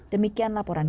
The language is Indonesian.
demikian laporan voa